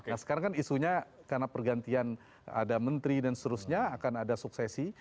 nah sekarang kan isunya karena pergantian ada menteri dan seterusnya akan ada suksesi